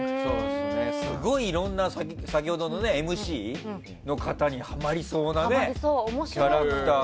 すごいいろんなＭＣの方にはまりそうなキャラクター。